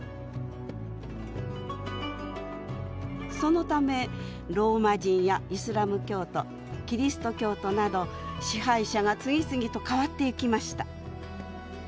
そのためローマ人やイスラム教徒キリスト教徒など支配者が次々とかわっていきました。